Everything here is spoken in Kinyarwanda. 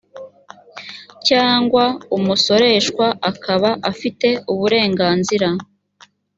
cyangwa umusoreshwa akaba afite uburenganzira